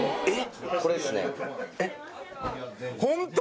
えっ。